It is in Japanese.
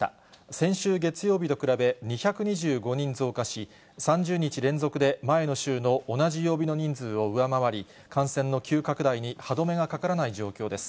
先週月曜日と比べ、２２５人増加し、３０日連続で前の週の同じ曜日の人数を上回り、感染の急拡大に歯止めがかからない状況です。